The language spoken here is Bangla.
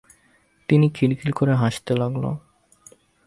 তিন্নি খিলখিল করে হাসতে লাগল।